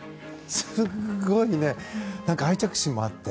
すごい愛着心もあって。